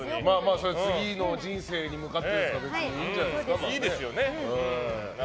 次の人生に向かってだからいいんじゃないですか。